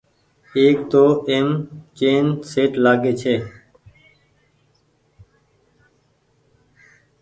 ايڪ تو ايم چيئن شيٽ لآگي ڇي۔